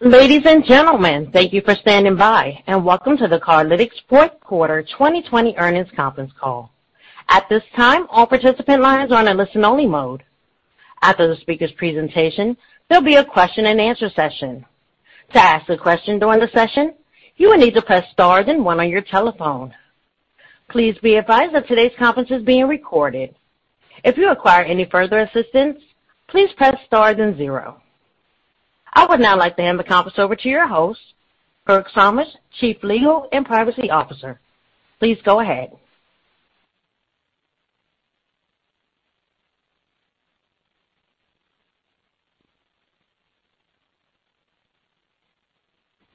Ladies and gentlemen, thank you for standing by and welcome to the Cardlytics fourth quarter 2020 earnings conference call. At this time, all participant lines are on a listen only mode. After the speaker's presentation, there'll be a question and answer session. To ask a question during the session, you will need to press star then one on your telephone. Please be advised that today's conference is being recorded. If you require any further assistance, please press star then zero. I would now like to hand the conference over to your host, Kirk Somers, Chief Legal and Privacy Officer. Please go ahead.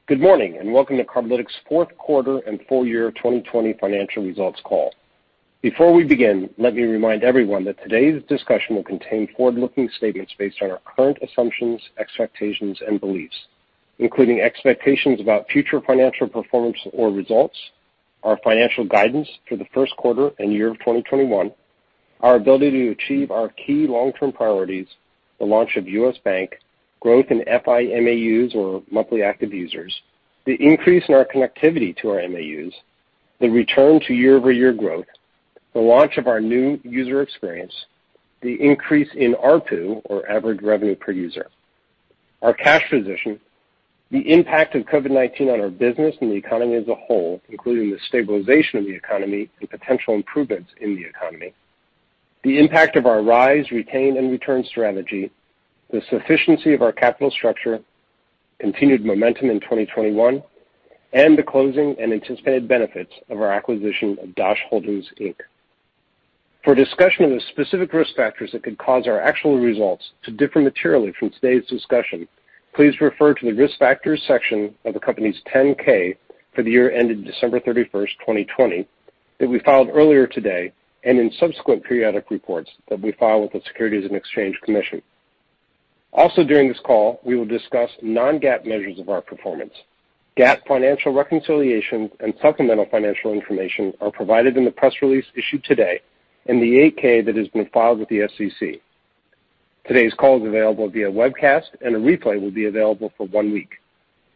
Good morning and welcome to Cardlytics fourth quarter and full year 2020 financial results call. Before we begin, let me remind everyone that today's discussion will contain forward-looking statements based on our current assumptions, expectations and beliefs, including expectations about future financial performance or results, our financial guidance for the first quarter and year of 2021, our ability to achieve our key long-term priorities, the launch of U.S. Bank, growth in FI MAUs or Monthly Active Users, the increase in our connectivity to our MAUs, the return to year-over-year growth, the launch of our new user experience, the increase in ARPU or Average Revenue Per User, our cash position, the impact of COVID-19 on our business and the economy as a whole, including the stabilization of the economy and potential improvements in the economy, the impact of our rise, retain and return strategy, the sufficiency of our capital structure, continued momentum in 2021, and the closing and anticipated benefits of our acquisition of Dosh Holdings, Inc. For a discussion of the specific risk factors that could cause our actual results to differ materially from today's discussion, please refer to the Risk Factors section of the company's 10-K for the year ended December 31st, 2020, that we filed earlier today, and in subsequent periodic reports that we file with the Securities and Exchange Commission. During this call, we will discuss non-GAAP measures of our performance. GAAP financial reconciliations and supplemental financial information are provided in the press release issued today and the 8-K that has been filed with the SEC. Today's call is available via webcast and a replay will be available for one week.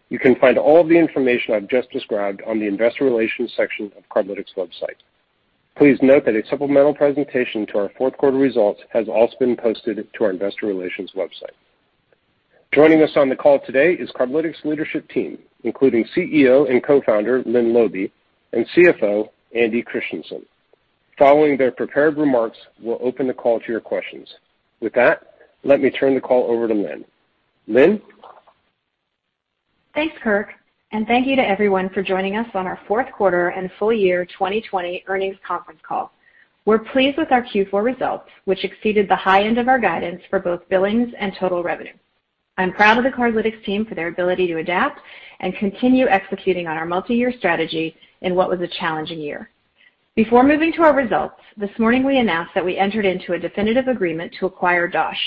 You can find all of the information I've just described on the investor relations section of Cardlytics website. Please note that a supplemental presentation to our fourth quarter results has also been posted to our investor relations website. Joining us on the call today is Cardlytics leadership team, including CEO and co-founder, Lynne Laube, and CFO, Andy Christiansen. Following their prepared remarks, we'll open the call to your questions. With that, let me turn the call over to Lynne. Lynne? Thanks, Kirk. Thank you to everyone for joining us on our fourth quarter and full year 2020 earnings conference call. We're pleased with our Q4 results, which exceeded the high end of our guidance for both billings and total revenue. I'm proud of the Cardlytics team for their ability to adapt and continue executing on our multi-year strategy in what was a challenging year. Before moving to our results, this morning we announced that we entered into a definitive agreement to acquire Dosh.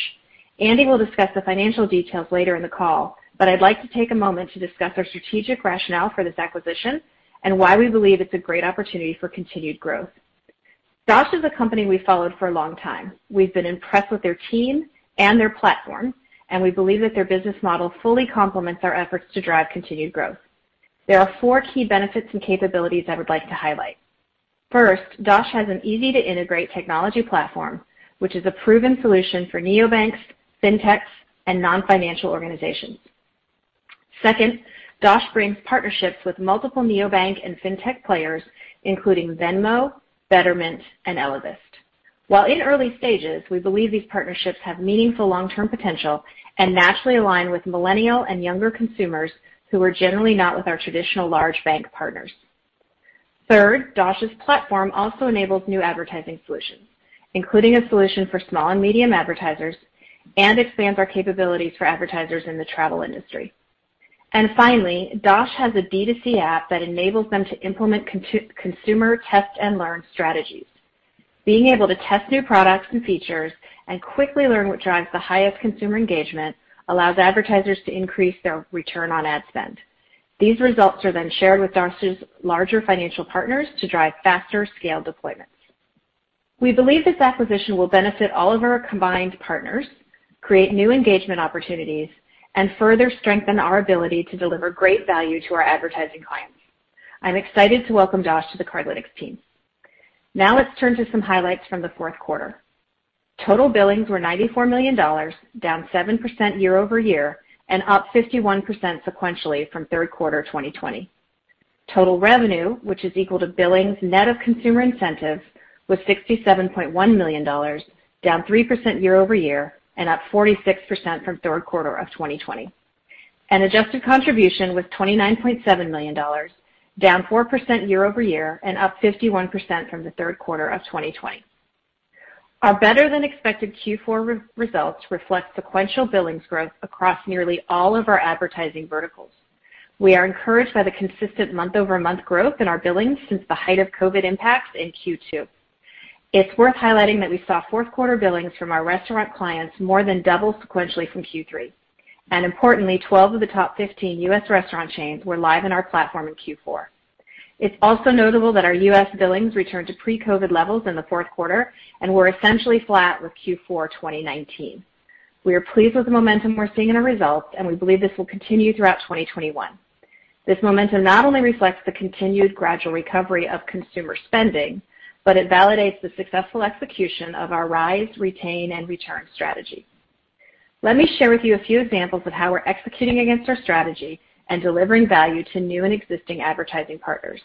Andy will discuss the financial details later in the call. I'd like to take a moment to discuss our strategic rationale for this acquisition and why we believe it's a great opportunity for continued growth. Dosh is a company we followed for a long time. We've been impressed with their team and their platform. We believe that their business model fully complements our efforts to drive continued growth. There are four key benefits and capabilities I would like to highlight. First, Dosh has an easy-to-integrate technology platform, which is a proven solution for neobanks, fintechs and non-financial organizations. Second, Dosh brings partnerships with multiple neobank and fintech players, including Venmo, Betterment and Ellevest. While in early stages, we believe these partnerships have meaningful long-term potential and naturally align with millennial and younger consumers who are generally not with our traditional large bank partners. Third, Dosh's platform also enables new advertising solutions, including a solution for small and medium advertisers, and expands our capabilities for advertisers in the travel industry. Finally, Dosh has a D2C app that enables them to implement consumer test and learn strategies. Being able to test new products and features and quickly learn what drives the highest consumer engagement allows advertisers to increase their return on ad spend. These results are then shared with Dosh's larger financial partners to drive faster scaled deployments. We believe this acquisition will benefit all of our combined partners, create new engagement opportunities, and further strengthen our ability to deliver great value to our advertising clients. I'm excited to welcome Dosh to the Cardlytics team. Let's turn to some highlights from the fourth quarter. Total billings were $94 million, down 7% year-over-year and up 51% sequentially from third quarter 2020. Total revenue, which is equal to billings net of consumer incentives, was $67.1 million, down 3% year-over-year and up 46% from third quarter of 2020. Adjusted Contribution was $29.7 million, down 4% year-over-year and up 51% from the third quarter of 2020. Our better-than-expected Q4 results reflect sequential billings growth across nearly all of our advertising verticals. We are encouraged by the consistent month-over-month growth in our billings since the height of COVID impacts in Q2. It's worth highlighting that we saw fourth quarter billings from our restaurant clients more than double sequentially from Q3. Importantly, 12 of the top 15 U.S. restaurant chains were live on our platform in Q4. It's also notable that our U.S. billings returned to pre-COVID levels in the fourth quarter. Were essentially flat with Q4 2019. We are pleased with the momentum we're seeing in the results. We believe this will continue throughout 2021. This momentum not only reflects the continued gradual recovery of consumer spending, but it validates the successful execution of our rise, retain and return strategy. Let me share with you a few examples of how we're executing against our strategy and delivering value to new and existing advertising partners.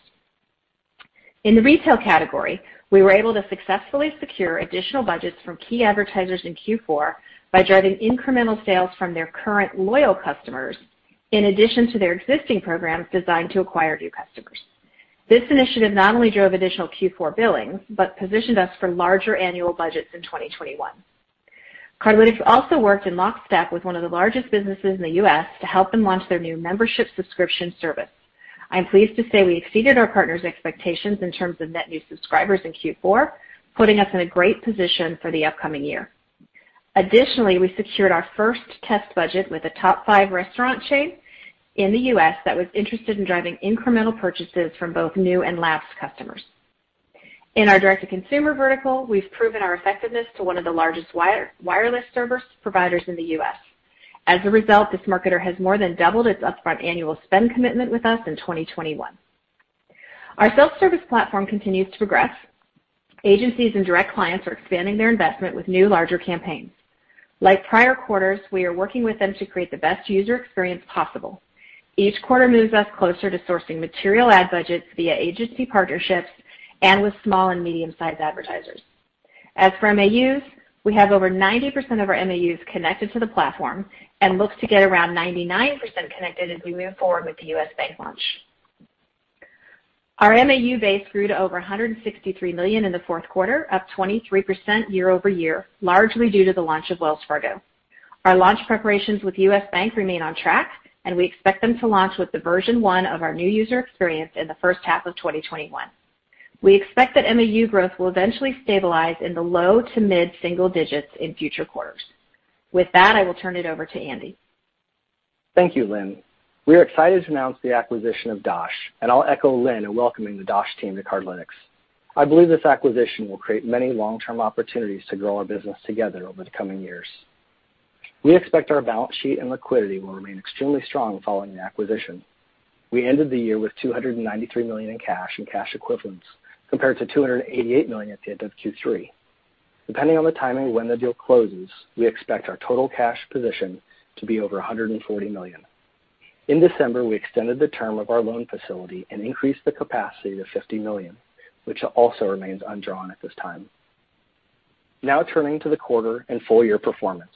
In the retail category, we were able to successfully secure additional budgets from key advertisers in Q4 by driving incremental sales from their current loyal customers, in addition to their existing programs designed to acquire new customers. This initiative not only drove additional Q4 billings, but positioned us for larger annual budgets in 2021. Cardlytics also worked in lockstep with one of the largest businesses in the U.S. to help them launch their new membership subscription service. I am pleased to say we exceeded our partner's expectations in terms of net new subscribers in Q4, putting us in a great position for the upcoming year. Additionally, we secured our first test budget with a top five restaurant chain in the U.S. that was interested in driving incremental purchases from both new and lapsed customers. In our direct-to-consumer vertical, we've proven our effectiveness to one of the largest wireless service providers in the U.S. As a result, this marketer has more than doubled its upfront annual spend commitment with us in 2021. Our self-service platform continues to progress. Agencies and direct clients are expanding their investment with new, larger campaigns. Like prior quarters, we are working with them to create the best user experience possible. Each quarter moves us closer to sourcing material ad budgets via agency partnerships and with small and medium-sized advertisers. As for MAUs, we have over 90% of our MAUs connected to the platform and look to get around 99% connected as we move forward with the U.S. Bank launch. Our MAU base grew to over 163 million in the fourth quarter, up 23% year-over-year, largely due to the launch of Wells Fargo. Our launch preparations with U.S. Bank remain on track, and we expect them to launch with the version one of our new user experience in the first half of 2021. We expect that MAU growth will eventually stabilize in the low to mid-single digits in future quarters. With that, I will turn it over to Andy. Thank you, Lynne. We are excited to announce the acquisition of Dosh, and I'll echo Lynne in welcoming the Dosh team to Cardlytics. I believe this acquisition will create many long-term opportunities to grow our business together over the coming years. We expect our balance sheet and liquidity will remain extremely strong following the acquisition. We ended the year with $293 million in cash and cash equivalents, compared to $288 million at the end of Q3. Depending on the timing of when the deal closes, we expect our total cash position to be over $140 million. In December, we extended the term of our loan facility and increased the capacity to $50 million, which also remains undrawn at this time. Turning to the quarter and full-year performance.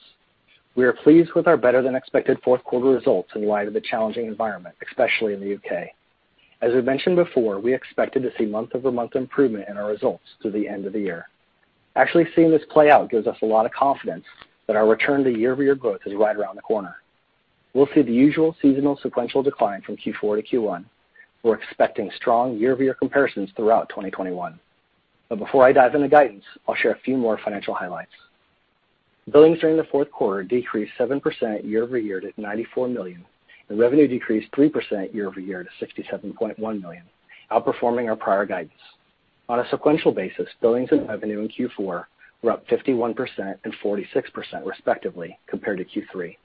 We are pleased with our better-than-expected fourth quarter results in light of the challenging environment, especially in the U.K. As we've mentioned before, we expected to see month-over-month improvement in our results through the end of the year. Actually seeing this play out gives us a lot of confidence that our return to year-over-year growth is right around the corner. We'll see the usual seasonal sequential decline from Q4 to Q1. We're expecting strong year-over-year comparisons throughout 2021. Before I dive into guidance, I'll share a few more financial highlights. Billings during the fourth quarter decreased 7% year-over-year to $94 million, and revenue decreased 3% year-over-year to $67.1 million, outperforming our prior guidance. On a sequential basis, billings and revenue in Q4 were up 51% and 46% respectively compared to Q3.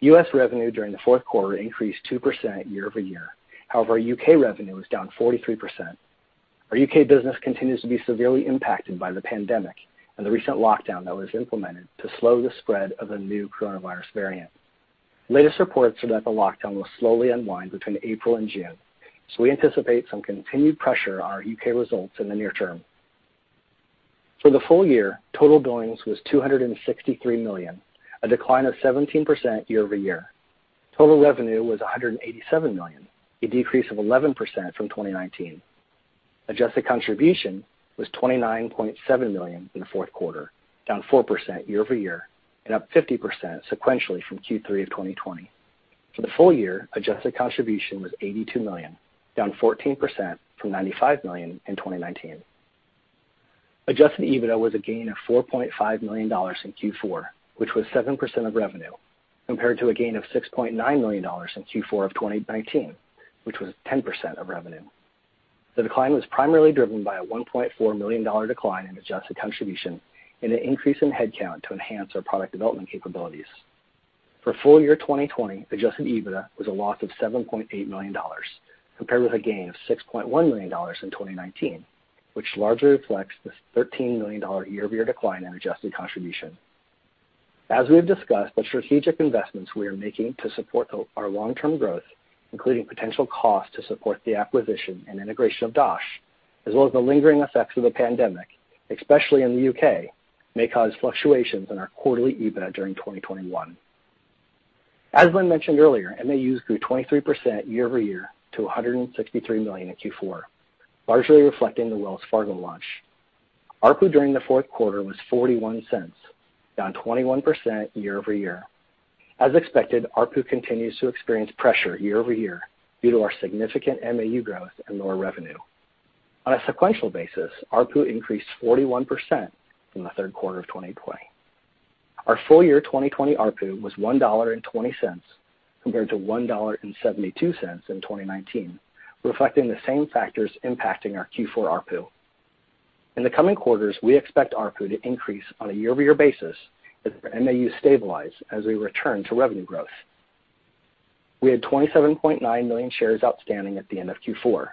U.S. revenue during the fourth quarter increased 2% year-over-year. However, our U.K. revenue was down 43%. Our U.K. business continues to be severely impacted by the pandemic and the recent lockdown that was implemented to slow the spread of the new coronavirus variant. Latest reports are that the lockdown will slowly unwind between April and June, so we anticipate some continued pressure on our U.K. results in the near term. For the full year, total billings was $263 million, a decline of 17% year-over-year. Total revenue was $187 million, a decrease of 11% from 2019. Adjusted Contribution was $29.7 million in the fourth quarter, down 4% year-over-year, and up 50% sequentially from Q3 of 2020. For the full year, Adjusted Contribution was $82 million, down 14% from $95 million in 2019. Adjusted EBITDA was a gain of $4.5 million in Q4, which was 7% of revenue, compared to a gain of $6.9 million in Q4 of 2019, which was 10% of revenue. The decline was primarily driven by a $1.4 million decline in Adjusted Contribution and an increase in headcount to enhance our product development capabilities. For full year 2020, Adjusted EBITDA was a loss of $7.8 million, compared with a gain of $6.1 million in 2019, which largely reflects the $13 million year-over-year decline in Adjusted Contribution. As we have discussed, the strategic investments we are making to support our long-term growth, including potential costs to support the acquisition and integration of Dosh, as well as the lingering effects of the pandemic, especially in the U.K., may cause fluctuations in our quarterly Adjusted EBITDA during 2021. As Lynne mentioned earlier, MAUs grew 23% year-over-year to 163 million in Q4, largely reflecting the Wells Fargo launch. ARPU during the fourth quarter was $0.41, down 21% year-over-year. As expected, ARPU continues to experience pressure year-over-year due to our significant MAU growth and lower revenue. On a sequential basis, ARPU increased 41% from the third quarter of 2020. Our full year 2020 ARPU was $1.20 compared to $1.72 in 2019, reflecting the same factors impacting our Q4 ARPU. In the coming quarters, we expect ARPU to increase on a year-over-year basis as MAUs stabilize as we return to revenue growth. We had 27.9 million shares outstanding at the end of Q4.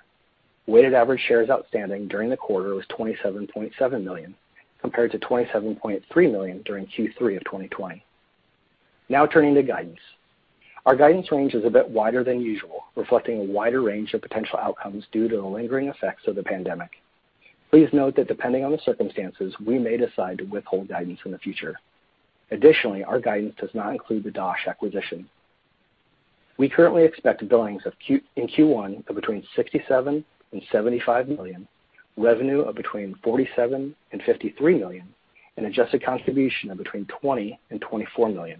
Weighted average shares outstanding during the quarter was 27.7 million, compared to 27.3 million during Q3 of 2020. Turning to guidance. Our guidance range is a bit wider than usual, reflecting a wider range of potential outcomes due to the lingering effects of the pandemic. Please note that depending on the circumstances, we may decide to withhold guidance in the future. Additionally, our guidance does not include the Dosh acquisition. We currently expect billings in Q1 of between $67 million and $75 million, revenue of between $47 million and $53 million, and Adjusted Contribution of between $20 million and $24 million.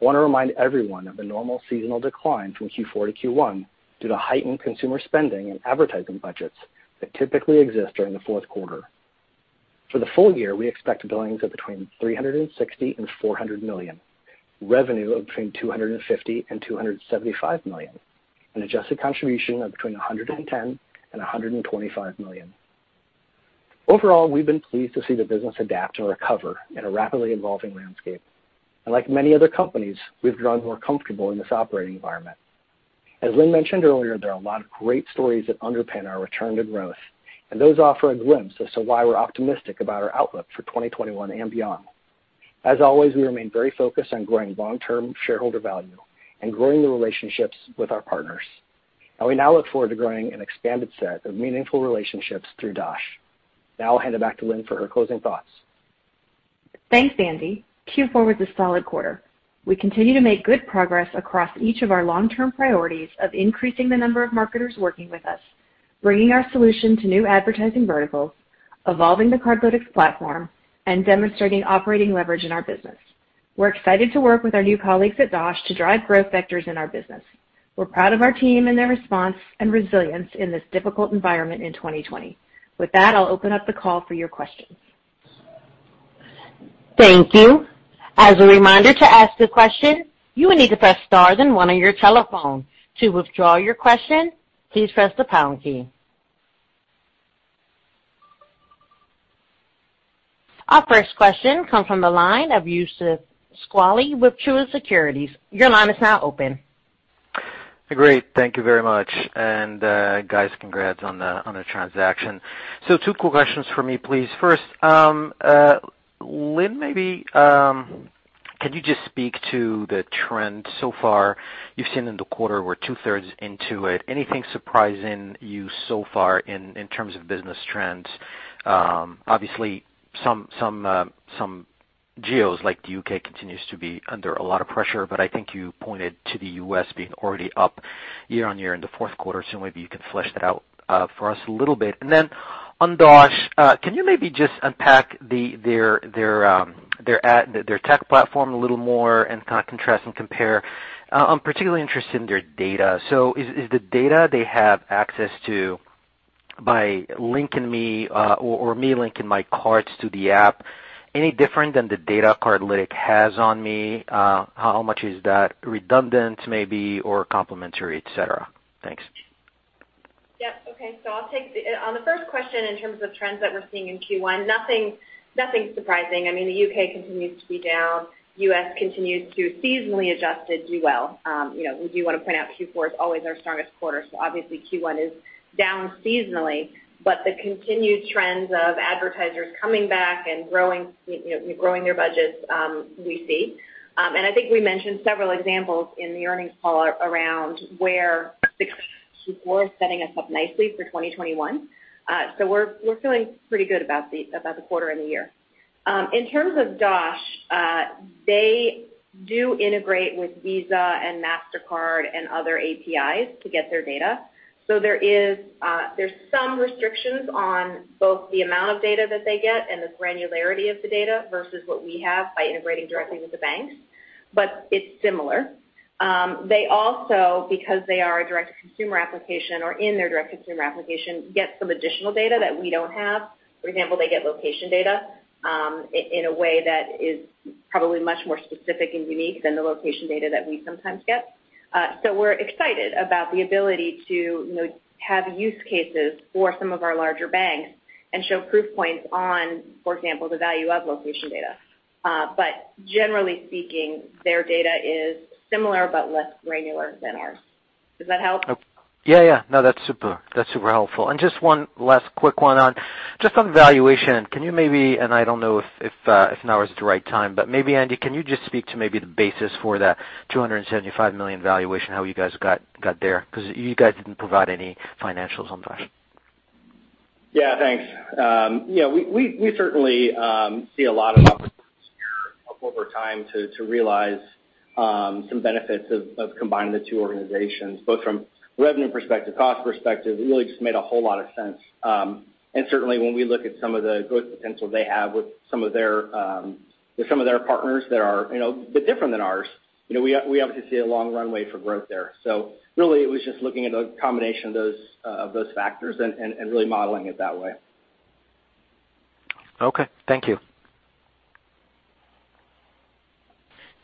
I want to remind everyone of the normal seasonal decline from Q4 to Q1 due to heightened consumer spending and advertising budgets that typically exist during the fourth quarter. For the full year, we expect billings of between $360 million and $400 million, revenue of between $250 million and $275 million, and Adjusted Contribution of between $110 million and $125 million. Overall, we've been pleased to see the business adapt and recover in a rapidly evolving landscape. Like many other companies, we've grown more comfortable in this operating environment. As Lynne mentioned earlier, there are a lot of great stories that underpin our return to growth. Those offer a glimpse as to why we're optimistic about our outlook for 2021 and beyond. As always, we remain very focused on growing long-term shareholder value and growing the relationships with our partners. We now look forward to growing an expanded set of meaningful relationships through Dosh. I'll hand it back to Lynne for her closing thoughts. Thanks, Andy. Q4 was a solid quarter. We continue to make good progress across each of our long-term priorities of increasing the number of marketers working with us, bringing our solution to new advertising verticals, evolving the Cardlytics platform, and demonstrating operating leverage in our business. We're excited to work with our new colleagues at Dosh to drive growth vectors in our business. We're proud of our team and their response and resilience in this difficult environment in 2020. With that, I'll open up the call for your questions. Thank you. As a reminder, to ask a question, you will need to press star then one on your telephone. To withdraw your question, please press the pound key. Our first question comes from the line of Youssef Squali with Truist Securities. Your line is now open. Great. Thank you very much. Guys, congrats on the transaction. Two quick questions from me, please. First, Lynne, maybe could you just speak to the trend so far you've seen in the quarter? We're two-thirds into it. Anything surprising you so far in terms of business trends? Obviously, some geos, like the U.K., continues to be under a lot of pressure, but I think you pointed to the U.S. being already up year-over-year in the fourth quarter. Maybe you can flesh that out for us a little bit. On Dosh, can you maybe just unpack their tech platform a little more and contrast and compare? I'm particularly interested in their data. Is the data they have access to by linking me or me linking my cards to the app any different than the data Cardlytics has on me? How much is that redundant maybe, or complementary, et cetera? Thanks. Yep. Okay. On the first question in terms of trends that we're seeing in Q1, nothing surprising. The U.K. continues to be down. U.S. continues to seasonally adjusted do well. We do want to point out Q4 is always our strongest quarter, so obviously Q1 is down seasonally. The continued trends of advertisers coming back and growing their budgets, we see. I think we mentioned several examples in the earnings call around where the Q4 is setting us up nicely for 2021. We're feeling pretty good about the quarter and the year. In terms of Dosh, they do integrate with Visa and Mastercard and other APIs to get their data. There's some restrictions on both the amount of data that they get and the granularity of the data versus what we have by integrating directly with the banks. It's similar. Because they are a direct-to-consumer application or in their direct-to-consumer application, get some additional data that we don't have. For example, they get location data in a way that is probably much more specific and unique than the location data that we sometimes get. We're excited about the ability to have use cases for some of our larger banks and show proof points on, for example, the value of location data. Generally speaking, their data is similar but less granular than ours. Does that help? Yeah. No, that's super helpful. Just one last quick one on valuation. Can you maybe, and I don't know if now is the right time, but maybe Andy, can you just speak to maybe the basis for that $275 million valuation, how you guys got there? You guys didn't provide any financials on Dosh. Yeah, thanks. We certainly see a lot of opportunities here over time to realize some benefits of combining the two organizations, both from revenue perspective, cost perspective. It really just made a whole lot of sense. Certainly, when we look at some of the growth potential they have with some of their partners that are a bit different than ours, we obviously see a long runway for growth there. Really, it was just looking at a combination of those factors and really modeling it that way. Okay. Thank you.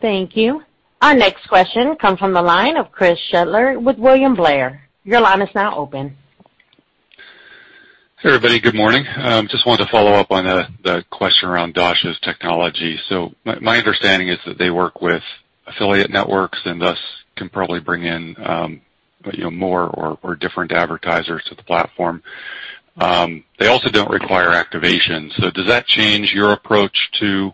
Thank you. Our next question comes from the line of Chris Shutler with William Blair. Your line is now open. Hey, everybody. Good morning. Just wanted to follow up on the question around Dosh's technology. My understanding is that they work with affiliate networks and thus can probably bring in more or different advertisers to the platform. They also don't require activation. Does that change your approach to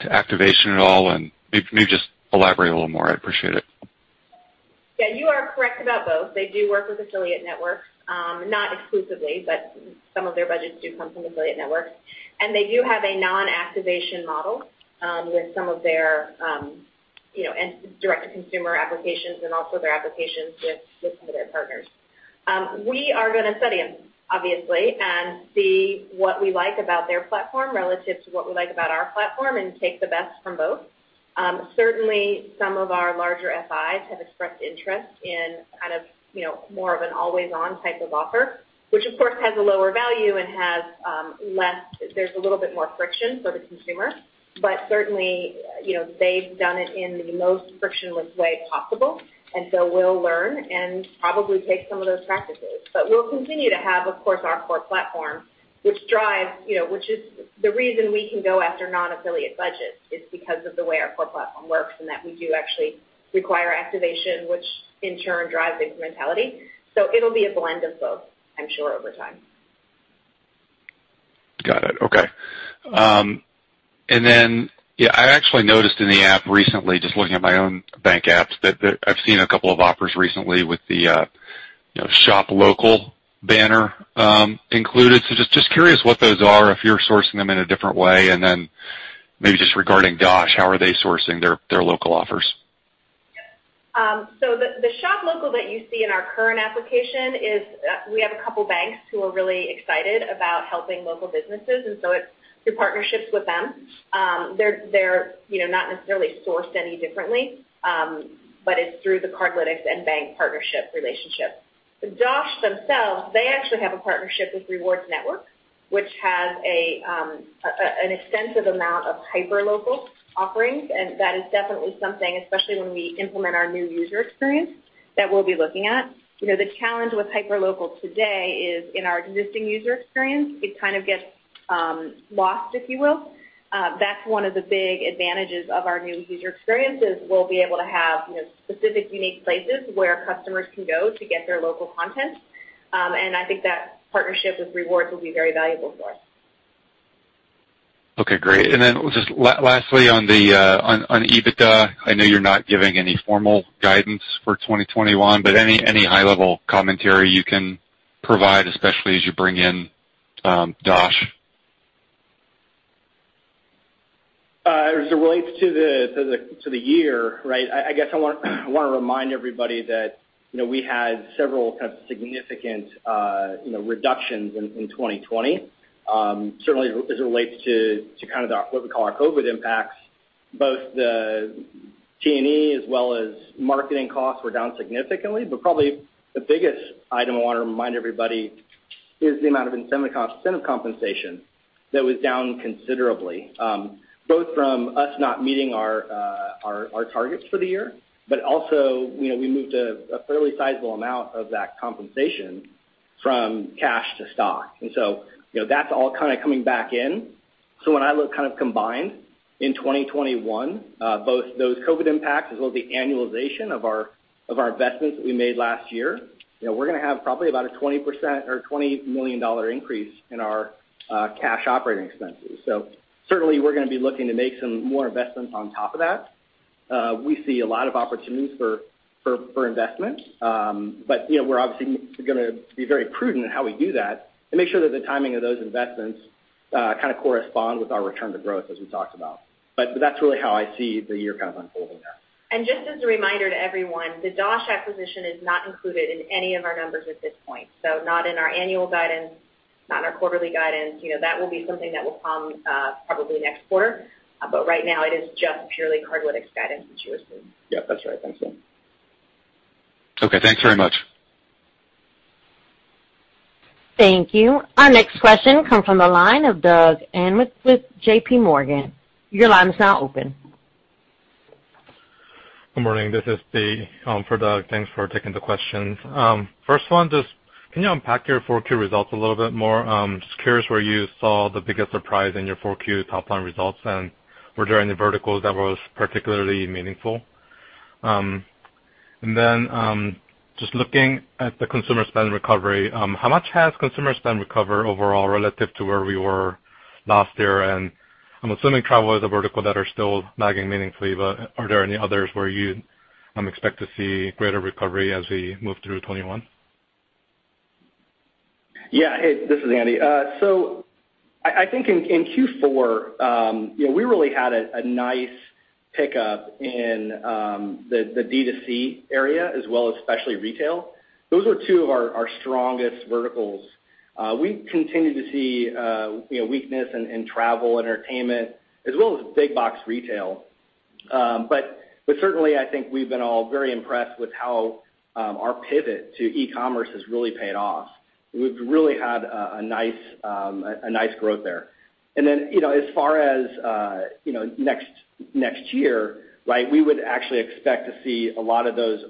activation at all? Maybe just elaborate a little more. I appreciate it. Yeah, you are correct about both. They do work with affiliate networks. Not exclusively, but some of their budgets do come from affiliate networks. They do have a non-activation model with some of their direct-to-consumer applications and also their applications with some of their partners. We are going to study them, obviously, and see what we like about their platform relative to what we like about our platform and take the best from both. Certainly, some of our larger FIs have expressed interest in more of an always-on type of offer, which of course has a lower value and there's a little bit more friction for the consumer. Certainly, they've done it in the most frictionless way possible. We'll learn and probably take some of those practices. We'll continue to have, of course, our core platform, which is the reason we can go after non-affiliate budgets, is because of the way our core platform works and that we do actually require activation, which in turn drives incrementality. It'll be a blend of both, I'm sure, over time. Got it. Okay. Yeah, I actually noticed in the app recently, just looking at my own bank apps, that I've seen a couple of offers recently with the shop local banner included. Just curious what those are, if you're sourcing them in a different way, and then maybe just regarding Dosh, how are they sourcing their local offers? The shop local that you see in our current application is we have a couple banks who are really excited about helping local businesses, it's through partnerships with them. They're not necessarily sourced any differently. It's through the Cardlytics and bank partnership relationship. The Dosh themselves, they actually have a partnership with Rewards Network, which has an extensive amount of hyperlocal offerings, that is definitely something, especially when we implement our new user experience, that we'll be looking at. The challenge with hyperlocal today is in our existing user experience, it kind of gets lost, if you will. That's one of the big advantages of our new user experience, is we'll be able to have specific unique places where customers can go to get their local content. I think that partnership with Rewards will be very valuable for us. Okay, great. Just lastly, on EBITDA, I know you're not giving any formal guidance for 2021, but any high-level commentary you can provide, especially as you bring in Dosh? As it relates to the year, right, I guess I want to remind everybody that we had several kind of significant reductions in 2020. Certainly as it relates to kind of what we call our COVID impacts, both the G&A as well as marketing costs were down significantly. Probably the biggest item I want to remind everybody is the amount of incentive compensation that was down considerably, both from us not meeting our targets for the year, but also, we moved a fairly sizable amount of that compensation from cash to stock. That's all kind of coming back in. When I look kind of combined in 2021, both those COVID impacts as well as the annualization of our investments that we made last year, we're going to have probably about a 20% or $20 million increase in our cash operating expenses. Certainly we're going to be looking to make some more investments on top of that. We see a lot of opportunities for investment. We're obviously going to be very prudent in how we do that and make sure that the timing of those investments kind of correspond with our return to growth, as we talked about. That's really how I see the year kind of unfolding there. Just as a reminder to everyone, the Dosh acquisition is not included in any of our numbers at this point. Not in our annual guidance, not in our quarterly guidance. That will be something that will come probably next quarter. Right now it is just purely Cardlytics guidance that you received. Yep, that's right. Thanks, Lynne. Okay, thanks very much. Thank you. Our next question comes from the line of Doug Anmuth with JPMorgan. Your line is now open. Good morning. This is Di for Doug. Thanks for taking the questions. First one, just can you unpack your 4Q results a little bit more? Just curious where you saw the biggest surprise in your 4Q top-line results, and were there any verticals that was particularly meaningful? Just looking at the consumer spend recovery, how much has consumer spend recovered overall relative to where we were last year? I'm assuming travel is a vertical that are still lagging meaningfully, but are there any others where you expect to see greater recovery as we move through 2021? Hey, this is Andy. I think in Q4, we really had a nice pickup in the D2C area as well as specialty retail. Those were two of our strongest verticals. We continue to see weakness in T&E, as well as big box retail. Certainly, I think we've been all very impressed with how our pivot to e-commerce has really paid off. We've really had a nice growth there. As far as next year, we would actually expect to see a lot of those,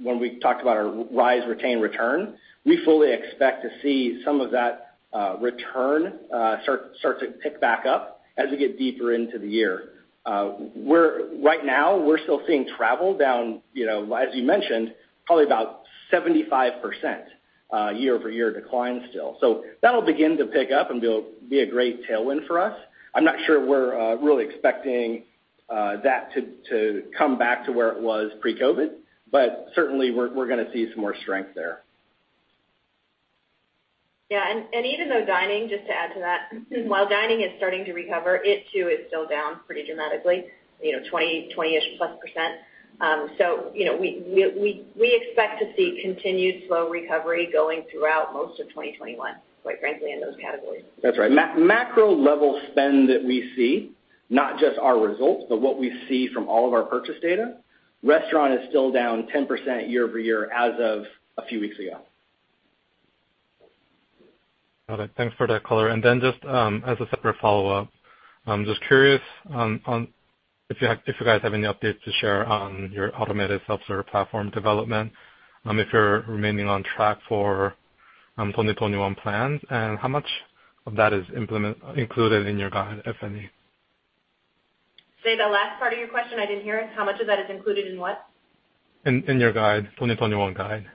when we talked about our rise, retain, return, we fully expect to see some of that return start to pick back up as we get deeper into the year. Right now, we're still seeing travel down, as you mentioned, probably about 75% year-over-year decline still. That'll begin to pick up and be a great tailwind for us. I'm not sure we're really expecting that to come back to where it was pre-COVID, but certainly we're going to see some more strength there. Yeah. Even though dining, just to add to that, while dining is starting to recover, it too is still down pretty dramatically, 20-ish plus %. We expect to see continued slow recovery going throughout most of 2021, quite frankly, in those categories. That's right. Macro-level spend that we see, not just our results, but what we see from all of our purchase data, restaurant is still down 10% year-over-year as of a few weeks ago. Got it. Thanks for that color. Just as a separate follow-up, I'm just curious if you guys have any updates to share on your automated self-serve platform development, if you're remaining on track for 2021 plans, and how much of that is included in your guide, if any? Say the last part of your question, I didn't hear it. How much of that is included in what? In your guide, 2021 guide.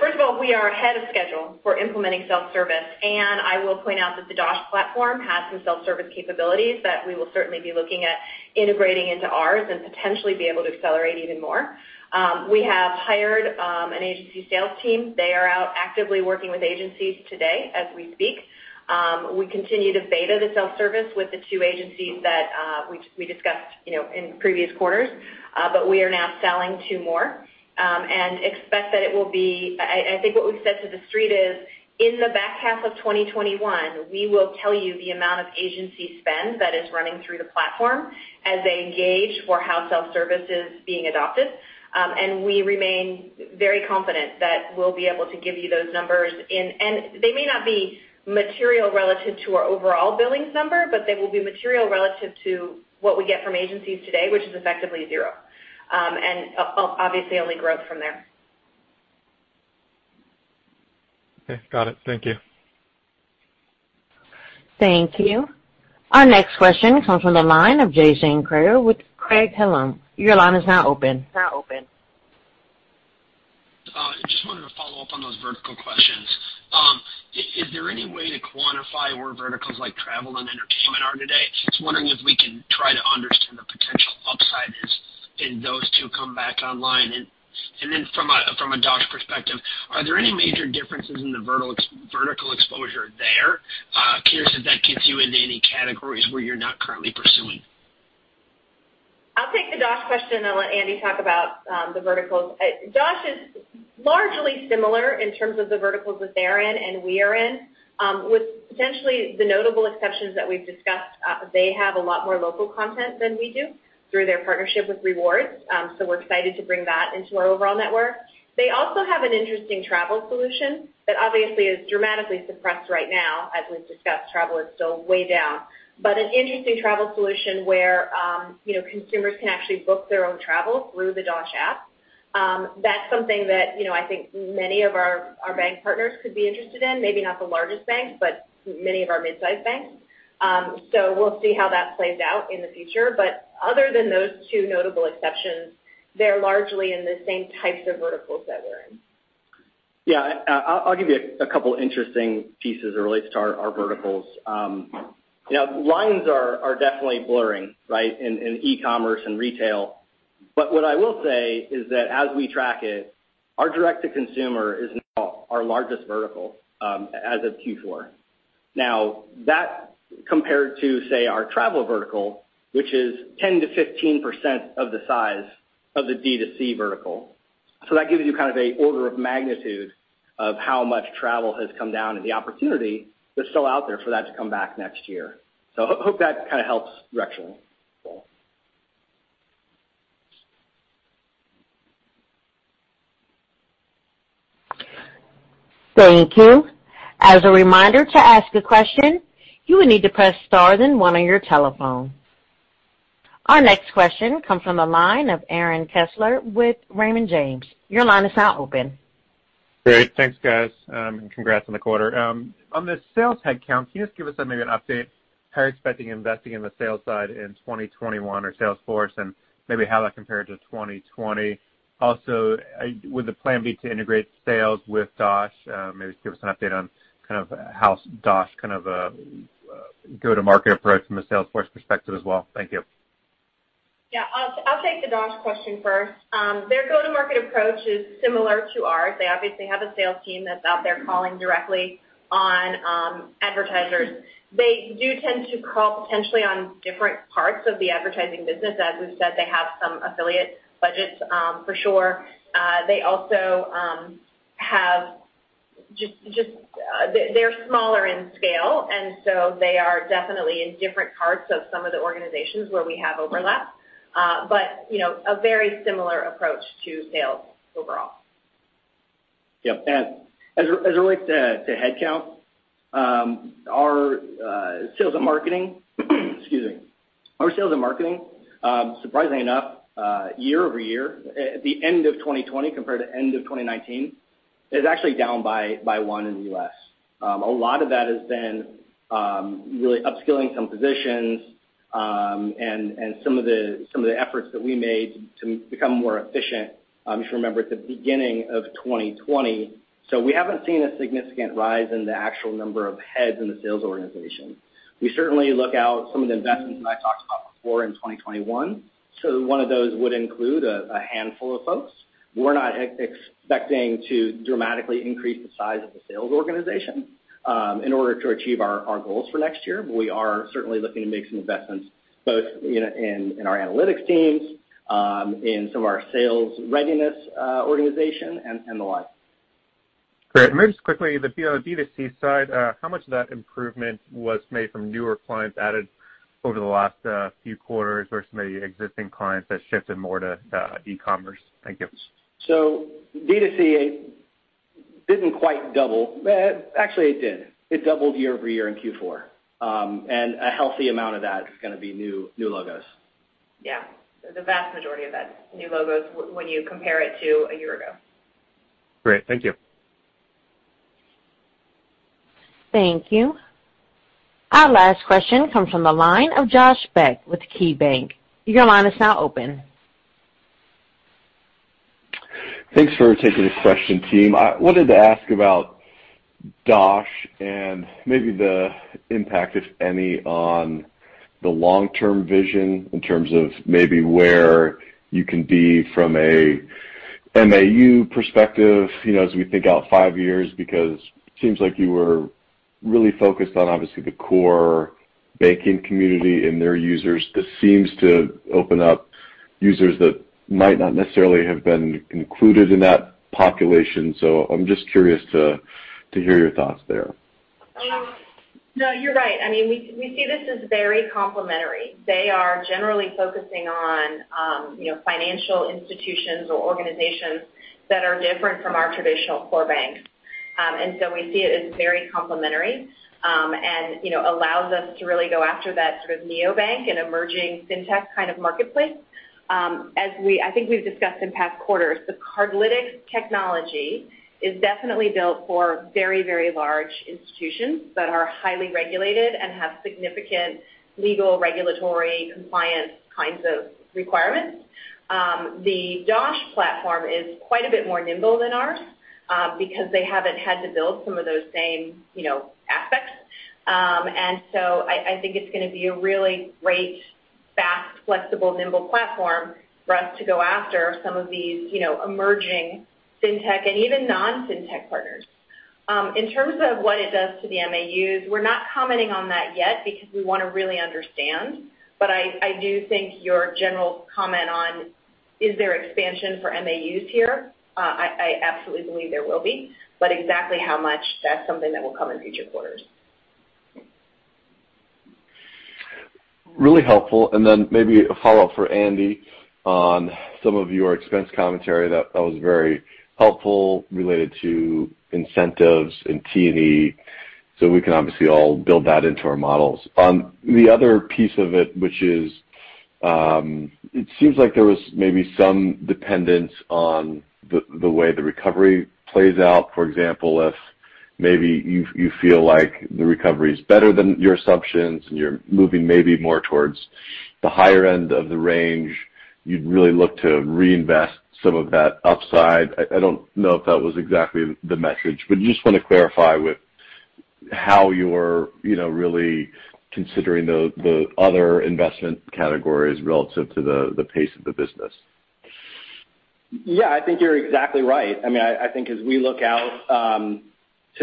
First of all, we are ahead of schedule for implementing self-service, and I will point out that the Dosh platform has some self-service capabilities that we will certainly be looking at integrating into ours and potentially be able to accelerate even more. We have hired an agency sales team. They are out actively working with agencies today as we speak. We continue to beta the self-service with the two agencies that we discussed in previous quarters. We are now selling two more and expect that I think what we've said to the Street is in the back half of 2021, we will tell you the amount of agency spend that is running through the platform as they engage for how self-service is being adopted. We remain very confident that we'll be able to give you those numbers. They may not be material relative to our overall billings number, but they will be material relative to what we get from agencies today, which is effectively zero. Obviously only growth from there. Okay, got it. Thank you. Thank you. Our next question comes from the line of Jason Kreyer with Craig-Hallum. Your line is now open. I just wanted to follow up on those vertical questions. Is there any way to quantify where verticals like Travel and Entertainment are today? Just wondering if we can try to understand the potential upside is in those two come back online. From a Dosh perspective, are there any major differences in the vertical exposure there? Curious if that gets you into any categories where you're not currently pursuing. I'll take the Dosh question and let Andy talk about the verticals. Dosh is largely similar in terms of the verticals that they're in and we are in with potentially the notable exceptions that we've discussed. They have a lot more local content than we do through their partnership with Rewards Network. We're excited to bring that into our overall network. They also have an interesting travel solution that obviously is dramatically suppressed right now. As we've discussed, travel is still way down. An interesting travel solution where consumers can actually book their own travel through the Dosh app. That's something that I think many of our bank partners could be interested in. Maybe not the largest banks, but many of our mid-size banks. We'll see how that plays out in the future. Other than those two notable exceptions, they're largely in the same types of verticals that we're in. Yeah. I'll give you a couple interesting pieces related to our verticals. Lines are definitely blurring in e-commerce and retail. What I will say is that as we track it, our direct-to-consumer is now our largest vertical as of Q4. That compared to, say, our travel vertical, which is 10%-15% of the size of the D2C vertical. That gives you an order of magnitude of how much travel has come down and the opportunity that's still out there for that to come back next year. Hope that kind of helps directionally. Thank you. As a reminder, to ask a question, you will need to press star then one on your telephone. Our next question comes from the line of Aaron Kessler with Raymond James. Your line is now open. Great. Thanks, guys. Congrats on the quarter. On the sales headcount, can you just give us maybe an update how you're expecting investing in the sales side in 2021 or sales force and maybe how that compared to 2020? Would the plan be to integrate sales with Dosh? Maybe just give us an update on how Dosh go-to-market approach from a sales force perspective as well. Thank you. Yeah. I'll take the Dosh question first. Their go-to-market approach is similar to ours. They obviously have a sales team that's out there calling directly on advertisers. They do tend to call potentially on different parts of the advertising business. As we've said, they have some affiliate budgets for sure. They're smaller in scale, and so they are definitely in different parts of some of the organizations where we have overlap. A very similar approach to sales overall. Yep. As it relates to headcount, our sales and marketing, surprisingly enough, year-over-year, at the end of 2020 compared to end of 2019, is actually down by one in the U.S. A lot of that has been really upskilling some positions and some of the efforts that we made to become more efficient, if you remember, at the beginning of 2020. We haven't seen a significant rise in the actual number of heads in the sales organization. We certainly look out some of the investments that I talked about before in 2021. One of those would include a handful of folks. We're not expecting to dramatically increase the size of the sales organization in order to achieve our goals for next year. We are certainly looking to make some investments both in our analytics teams, in some of our sales readiness organization, and the like. Great. Maybe just quickly, the D2C side, how much of that improvement was made from newer clients added over the last few quarters versus maybe existing clients that shifted more to e-commerce? Thank you. D2C didn't quite double. Actually, it did. It doubled year-over-year in Q4. A healthy amount of that is going to be new logos. Yeah. The vast majority of that is new logos when you compare it to a year ago. Great. Thank you. Thank you. Our last question comes from the line of Josh Beck with KeyBank. Your line is now open. Thanks for taking this question, team. I wanted to ask about Dosh and maybe the impact, if any, on the long-term vision in terms of maybe where you can be from a MAU perspective as we think out five years, because it seems like you were really focused on obviously the core banking community and their users. This seems to open up users that might not necessarily have been included in that population. I'm just curious to hear your thoughts there. No, you're right. We see this as very complementary. They are generally focusing on financial institutions or organizations that are different from our traditional core banks. We see it as very complementary and allows us to really go after that sort of neobank and emerging fintech kind of marketplace. I think we've discussed in past quarters, the Cardlytics technology is definitely built for very large institutions that are highly regulated and have significant legal regulatory compliance kinds of requirements. The Dosh platform is quite a bit more nimble than ours because they haven't had to build some of those same aspects. I think it's going to be a really great, fast, flexible, nimble platform for us to go after some of these emerging fintech and even non-fintech partners. In terms of what it does to the MAUs, we're not commenting on that yet because we want to really understand. I do think your general comment on, is there expansion for MAUs here? I absolutely believe there will be. Exactly how much, that's something that will come in future quarters. Really helpful. Maybe a follow-up for Andy on some of your expense commentary. That was very helpful related to incentives and T&E. We can obviously all build that into our models. The other piece of it, which is it seems like there was maybe some dependence on the way the recovery plays out. For example, if maybe you feel like the recovery is better than your assumptions and you're moving maybe more towards the higher end of the range, you'd really look to reinvest some of that upside. I don't know if that was exactly the message, but just want to clarify with how you're really considering the other investment categories relative to the pace of the business. I think you're exactly right. I think as we look out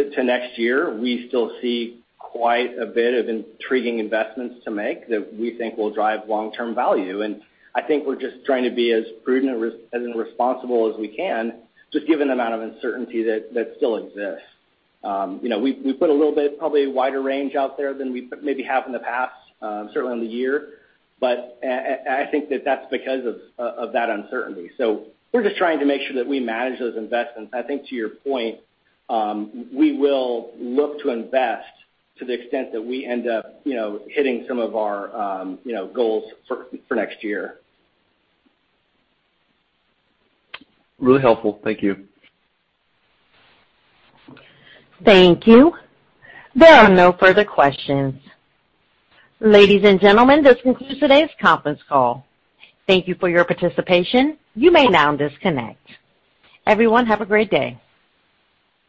to next year, we still see quite a bit of intriguing investments to make that we think will drive long-term value. I think we're just trying to be as prudent and responsible as we can, just given the amount of uncertainty that still exists. We put a little bit, probably a wider range out there than we maybe have in the past, certainly in the year. I think that that's because of that uncertainty. We're just trying to make sure that we manage those investments. I think to your point, we will look to invest to the extent that we end up hitting some of our goals for next year. Really helpful. Thank you. Thank you. There are no further questions. Ladies and gentlemen, this concludes today's conference call. Thank you for your participation. You may now disconnect. Everyone, have a great day.